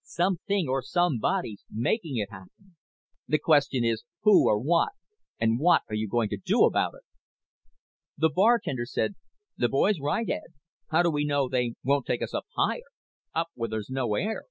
Something or somebody's making it happen. The question is who or what, and what are you going to do about it?" The bartender said, "The boy's right, Ed. How do we know they won't take us up higher up where there's no air?